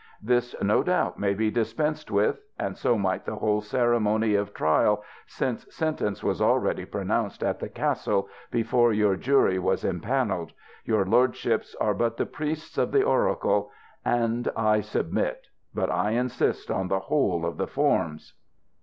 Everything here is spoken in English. This no doubt may be dispensed with ŌĆö and so might the whole ceremony of trial, since sentence was already pronounced at the castle, before your jury was em pannelled ; your lordships are but the priests of the oracle, and I submit ; but I insist on the whole of the forms.